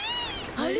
あれ？